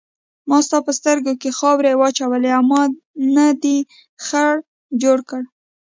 ما ستا په سترګو کې خاورې واچولې او ما نه دې خر جوړ کړ.